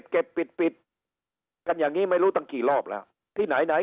เก็บปิดปิดกันอย่างนี้ไม่รู้ตั้งกี่รอบแล้วที่ไหนไหน